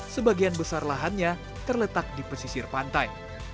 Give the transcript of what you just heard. sebagian besar lahannya terletak di pesisir pantai